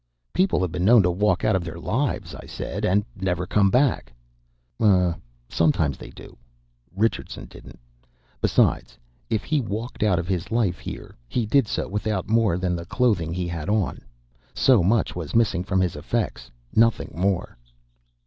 "People have been known to walk out of their lives," I said. "And never come back." "Oh, sometimes they do. Richardson didn't. Besides, if he walked out of his life here, he did so without more than the clothing he had on. So much was missing from his effects, nothing more."